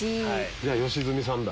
じゃあ良純さんだ。